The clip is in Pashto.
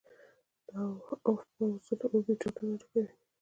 د افباؤ اصول اوربیتالونه ډکوي.